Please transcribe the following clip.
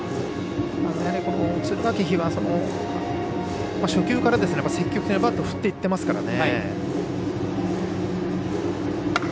敦賀気比は初球から積極的にバットを振っていってますからね。